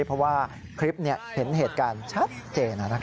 เพราะว่าคลิปเห็นเหตุการณ์ชัดเจน